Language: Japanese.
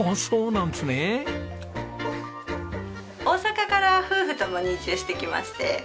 大阪から夫婦ともに移住してきまして。